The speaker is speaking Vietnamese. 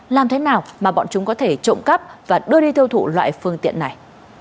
làm thế nào mà bọn chúng có thể trộm cắp và đưa đi tiêu thụ loại phương tiện này